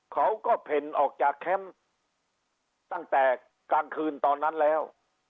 เขาก็เพ่นออกจากแคมป์ตั้งแต่กลางคืนตอนนั้นแล้ว